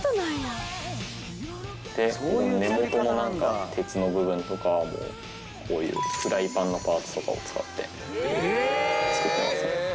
でここの根元の鉄の部分とかはこういうフライパンのパーツとかを使って作ってます。